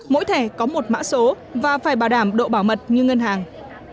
mỗi thẻ có một mã số và phải bảo đảm độ bảo mật như ngân hàng